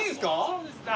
そうですね。